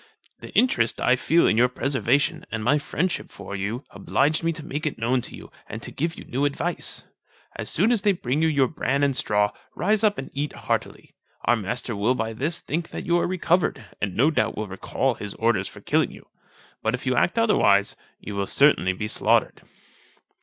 "The interest I feel in your preservation, and my friendship for you, obliged me to make it known to you, and to give you new advice. As soon as they bring you your bran and straw, rise up and eat heartily. Our master will by this think that you are recovered, and no doubt will recall his orders for killing you; but, if you act otherwise, you will certainly be slaughtered."